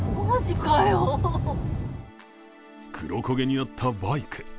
黒焦げになったバイク。